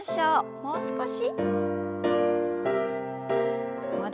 もう少し。